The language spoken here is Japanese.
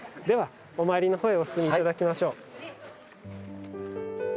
ではお参りのほうへお進みいただきましょう。